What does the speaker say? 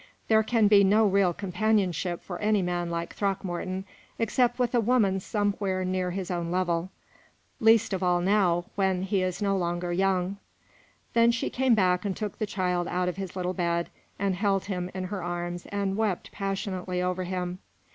There can be no real companionship for any man like Throckmorton except with a woman somewhere near his own level least of all now, when he is no longer young." Then she came back and took the child out of his little bed, and held him in her arms and wept passionately over him.